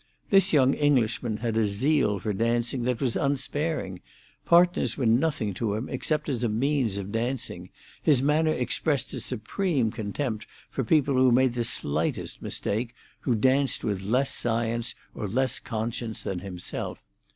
This young Englishman had a zeal for dancing that was unsparing; partners were nothing to him except as a means of dancing; his manner expressed a supreme contempt for people who made the slightest mistake, who danced with less science or less conscience than himself.